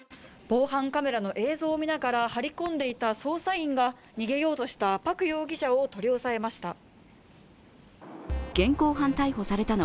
防犯カメラの映像を見ながら張り込んでいた捜査員が逃げようとしたパク容疑者を取り押さえました。